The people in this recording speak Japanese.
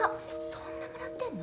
そんなもらってんの？